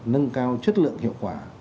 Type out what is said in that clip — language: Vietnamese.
nâng cao chất lượng hiệu quả